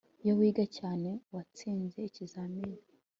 iyo wiga cyane, watsinze ikizamini